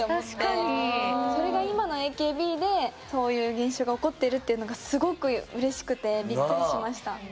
それが今のＡＫＢでそういう現象が起こってるっていうのがすごくうれしくてびっくりしました。